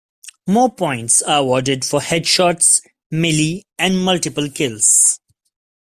More points are awarded for headshots, melee and multiple kills.